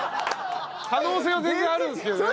可能性は全然あるんですけどね。